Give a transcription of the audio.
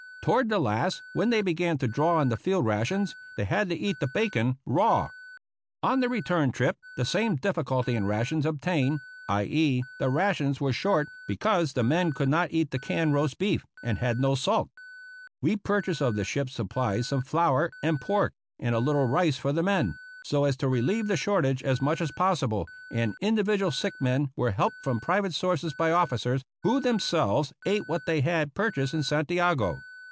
Toward the last, when they began to draw on the field rations, they had to eat the bacon raw. On the return trip the same difficulty in rations obtained — i.e. , the rations were short because the men could not eat the canned roast beef, and had no salt. We purchased of the ship's supplies some flour and pork and a little rice for the men, so as to relieve the sjiortage as much as possible, and individual sick men were helped from private sources by officers, who themselves ate what they had purchased ■272 APPENDIX B in Santiago.